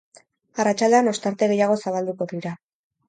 Arratsaldean, ostarte gehiago zabalduko dira.